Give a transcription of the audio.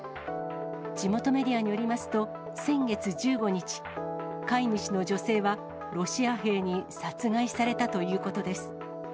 地元メディアによりますと、先月１５日、飼い主の女性はロシア兵に殺害されたということです。